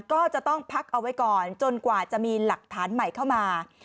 ก็จะต้องพักเอาไว้ก่อนจนกว่าจะมีหลักฐานใหม่เข้ามา